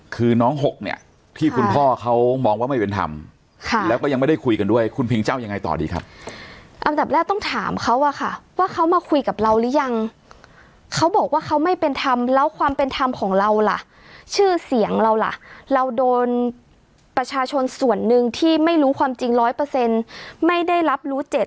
คือน้องหกเนี่ยที่คุณพ่อเขามองว่าไม่เป็นธรรมค่ะแล้วก็ยังไม่ได้คุยกันด้วยคุณพิงเจ้ายังไงต่อดีครับอันดับแรกต้องถามเขาอะค่ะว่าเขามาคุยกับเราหรือยังเขาบอกว่าเขาไม่เป็นธรรมแล้วความเป็นธรรมของเราล่ะชื่อเสียงเราล่ะเราโดนประชาชนส่วนหนึ่งที่ไม่รู้ความจริงร้อยเปอร์เซ็นต์ไม่ได้รับรู้เจ